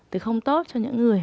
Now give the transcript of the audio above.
thì không tốt cho những người